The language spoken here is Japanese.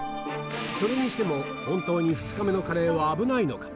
それにしても、本当に２日目のカレーは危ないのか。